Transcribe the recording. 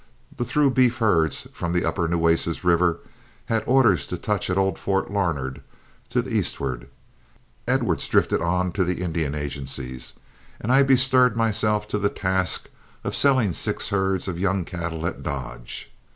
The through beef herds from the upper Nueces River had orders to touch at old Fort Larned to the eastward, Edwards drifted on to the Indian agencies, and I bestirred myself to the task of selling six herds of young cattle at Dodge.